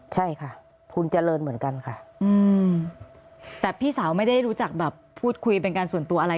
ใช่ค่ะคุณเจริญเหมือนกันค่ะแต่พี่สาวไม่ได้รู้จักแบบพูดคุยเป็นการส่วนตัวอะไร